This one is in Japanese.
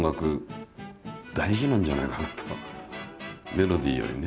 メロディーよりね。